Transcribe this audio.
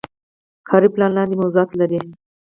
کاري پلان لاندې موضوعات لري.